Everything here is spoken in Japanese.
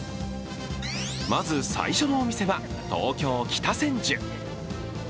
まず最初のお店は東京・北千住。